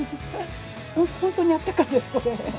本当にあったかいですこれ。